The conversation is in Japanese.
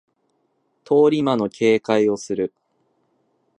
通り魔の警戒をする